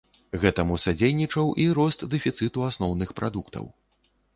Гэтаму садзейнічаў і рост дэфіцыту асноўных прадуктаў.